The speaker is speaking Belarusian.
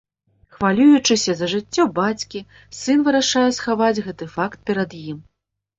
Хвалюючыся за жыццё бацькі, сын вырашае схаваць гэты факт перад ім.